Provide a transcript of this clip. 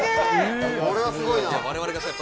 これはすごいな。